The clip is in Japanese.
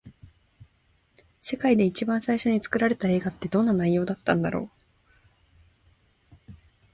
世界で一番最初に作られた映画って、どんな内容だったんだろう。